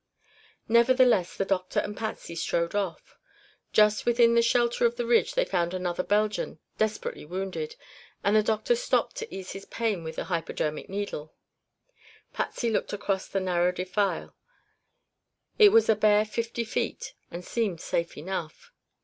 Nevertheless, the doctor and Patsy strode off. Just within the shelter of the ridge they found another Belgian, desperately wounded, and the doctor stopped to ease his pain with the hypodermic needle. Patsy looked across the narrow defile; it was a bare fifty feet, and seemed safe enough.